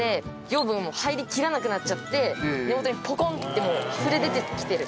養分がもう入りきらなくなっちゃって根元にポコンってもうあふれ出てきてる。